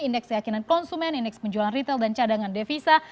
indeks keyakinan konsumen indeks penjualan retail dan cadangan devisa